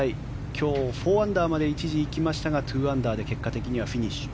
今日４アンダーまで一時、行きましたが２アンダーで結果的にはフィニッシュ。